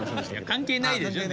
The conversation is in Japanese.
関係ないでしょ。